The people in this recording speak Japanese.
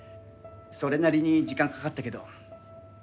それなりに時間かかったけど。